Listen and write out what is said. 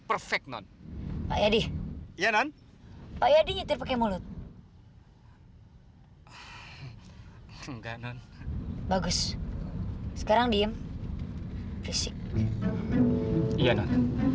enggak non bagus sekarang diem fisik iya non